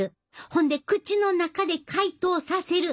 ほんで口の中で解凍させる。